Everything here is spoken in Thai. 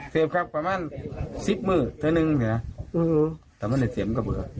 เสพครับประมาณสิบมือเท่านึงอยู่ที่น่ะแต่มันเหลือเสพก็เบลือก